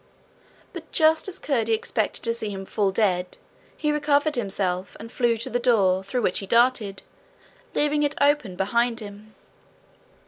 But just as Curdie expected to see him fall dead he recovered himself, and flew to the door, through which he darted, leaving it open behind him.